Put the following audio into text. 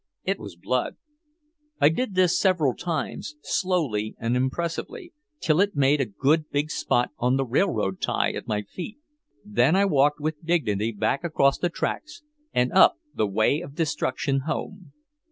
It was blood. I did this several times, slowly and impressively, till it made a good big spot on the railroad tie at my feet. Then I walked with dignity back across the tracks and up "the way of destruction" home.